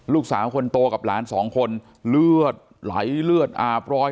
ลูกสาวคนโตกับหลานสองคนเลือดไหลเลือดอาบรอย